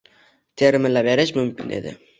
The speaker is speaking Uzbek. termilaverish mumkin edi...